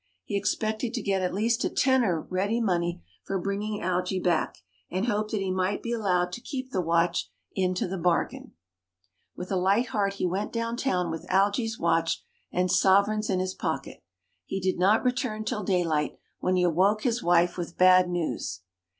He expected to get at least a tenner ready money for bringing Algy back, and hoped that he might be allowed to keep the watch into the bargain. With a light heart he went down town with Algy's watch and sovereigns in his pocket. He did not return till daylight, when he awoke his wife with bad news.